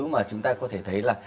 mà chúng ta có thể thấy là